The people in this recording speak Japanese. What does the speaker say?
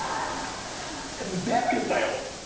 全部言ったよ？